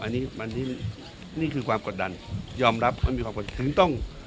อันนี้มันนี่คือความกดดันยอมรับมันมีความกดดัน